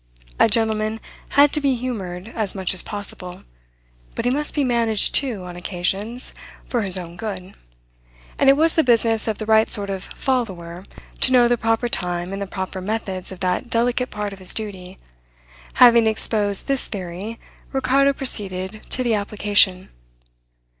A gentleman had to be humoured as much as possible; but he must be managed, too, on occasions, for his own good. And it was the business of the right sort of "follower" to know the proper time and the proper methods of that delicate part of his duty. Having exposed this theory Ricardo proceeded to the application.